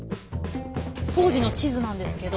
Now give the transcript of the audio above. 当時の地図なんですけど。